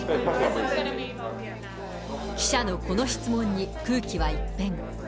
記者のこの質問に空気は一変。